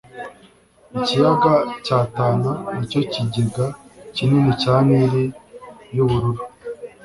ikiyaga cya tana nicyo kigega kinini cya nili yubururu